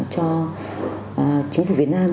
cho chính phủ việt nam